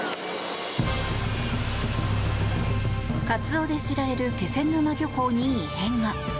カツオで知られる気仙沼漁港に異変が。